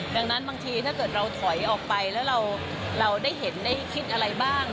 ดังนั้นบางทีถ้าเกิดเราถอยออกไปแล้วเราได้เห็นได้คิดอะไรบ้าง